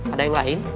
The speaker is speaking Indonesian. ada yang lain